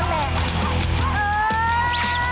โอ้โฮโอ้โฮโอ้โฮ